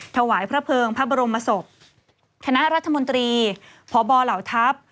ถวายพระเภิงพระบรมศพคณะรัฐมนตรีพบเหล่าทัพ